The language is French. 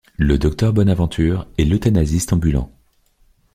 Le docteur Bonaventure est l'euthanasiste ambulant.